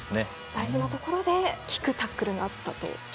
大事なところで効くタックルがあったと。